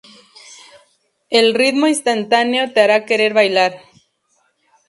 El ritmo instantáneo te hará querer bailar.